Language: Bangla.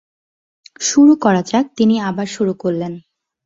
শুরু করা যাক, তিনি আবার শুরু করলেন।